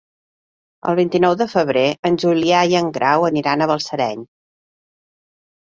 El vint-i-nou de febrer en Julià i en Grau aniran a Balsareny.